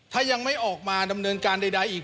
ถ้ายังไม่ออกมาดำเนินการใดอีก